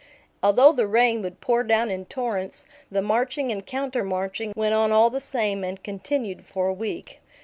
Although the rain would pour down in torrents, the marching and countermarching went on all the same and continued for a week.